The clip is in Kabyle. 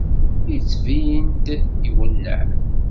Yettbin-d iwenneɛ.